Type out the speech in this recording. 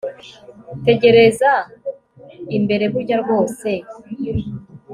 tegereza imbere burya rwose